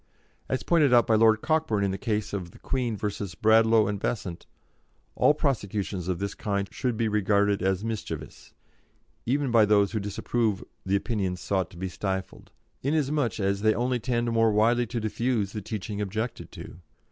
As pointed out by Lord Cockburn in the case of the Queen v. Bradlaugh and Besant, all prosecutions of this kind should be regarded as mischievous, even by those who disapprove the opinions sought to be stifled, inasmuch as they only tend more widely to diffuse the teaching objected to.